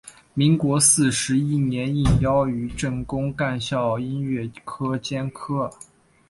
民国四十一年应邀于政工干校音乐科兼课。